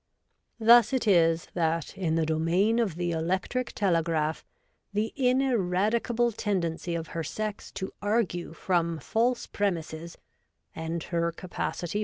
Thus it is that in the domain of the electric telegraph the ineradicable tendency of her sex to argue from false premises, and her capacity 138 REVOLTED WOMAN.